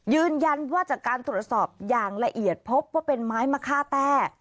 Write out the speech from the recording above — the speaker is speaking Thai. ยืนยันว่าจากการตรวจสอบอย่างละเอียดพบว่าเป็นไม้มะค่าแต้